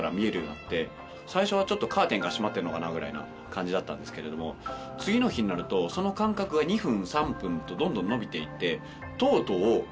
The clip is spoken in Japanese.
最初はちょっとカーテンが閉まってんのかなぐらいな感じだったんですけれども次の日になるとそのかんかくが２分３分とどんどん伸びて行って。